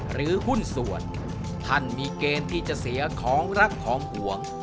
หรือหุ้นส่วนท่านมีเกณฑ์ที่จะเสียของรักของห่วง